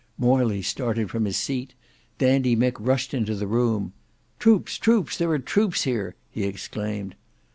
Morley started from his seat. Dandy Mick rushed into the room. "Troops, troops! there are troops here!" he exclaimed.